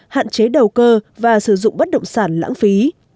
hạn chế đầu cơ và sử dụng bất động sản lãng phí